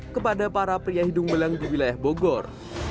kepada para pria hidung belang di wilayah bogor